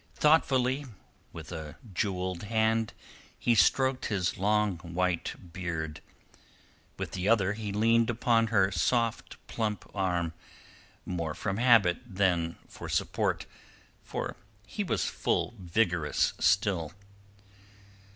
Thoughtfully, with a jewelled hand, he stroked his long white beard; with the other he leaned upon her soft plump arm, more from habit than for support, for he was full vigorous still.